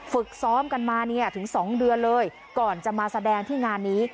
ฝึกซ้อมกันมาเนี่ยถึง๒เดือนเลยก่อนจะมาแสดงที่งานนี้